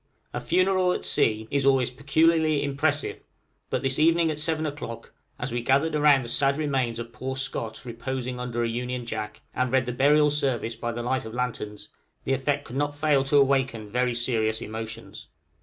A funeral at sea is always peculiarly impressive; but this evening at seven o'clock, as we gathered around the sad remains of poor Scott, reposing under an Union Jack, and read the Burial Service by the light of lanterns, the effect could not fail to awaken very serious emotions.